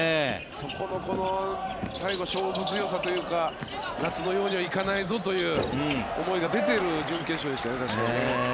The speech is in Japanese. そこの最後、勝負強さというか夏のようにはいかないぞという思いが出ている準決勝でしたね。